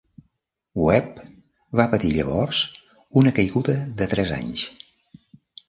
Webb va patir llavors una caiguda de tres anys.